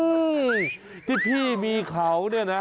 ที่พี่มีเขาเนี่ยนะ